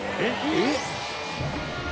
「えっ？